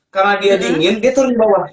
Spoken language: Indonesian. karena dia dingin dia turun bawah